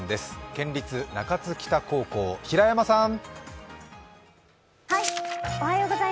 県立中津北高等学校、平山さん。